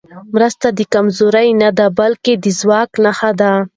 مرسته د کمزورۍ نه، بلکې د ځواک نښه ده.